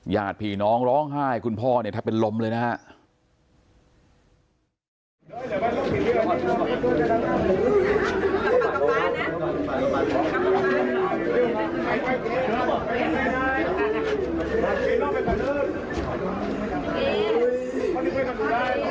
ญาติผีน้องร้องไห้คุณพ่อเนี่ยทำเป็นล้มเลยนะฮะ